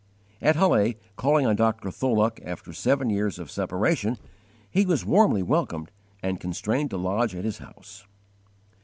At Halle, calling on Dr. Tholuck after seven years of separation, he was warmly welcomed and constrained to lodge at his house.